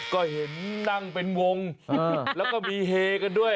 ก็เห็นนั่งเป็นวงแล้วก็มีเฮกันด้วย